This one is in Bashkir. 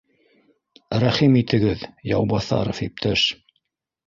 — Рәхим итегеҙ, Яубаҫаров иптәш